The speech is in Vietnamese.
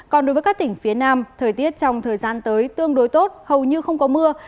còn đối với các tỉnh phía nam thời tiết trong thời gian tới tương đối tốt hầu như không có mưa